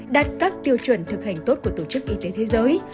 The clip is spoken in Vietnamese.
đạt các tiêu chuẩn thực hành tốt của tổ chức y tế thế giới